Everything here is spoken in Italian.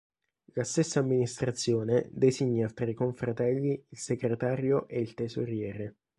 La stessa Amministrazione designa tra i confratelli il Segretario e il Tesoriere.